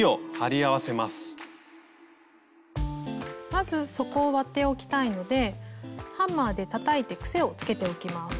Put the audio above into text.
まず底を割っておきたいのでハンマーでたたいてクセをつけておきます。